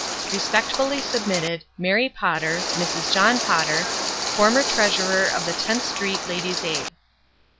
"Respectfully submitted, "Mary Potter (Mrs. John Potter), " Former treasurer of the 10 th Street Ladies' Aid."